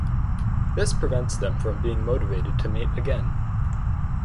This prevents them from being motivated to mate again.